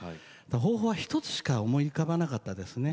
方法は１つしか思い浮かばなかったですね。